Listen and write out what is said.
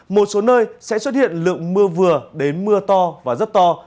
một số nơi sẽ xuất hiện lượng mưa vừa đến mưa to và rất to